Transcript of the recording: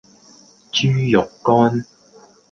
豬肉乾